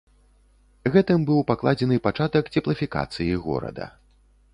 Гэтым быў пакладзены пачатак цеплафікацыі горада.